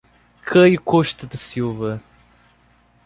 Caio Costa da Silva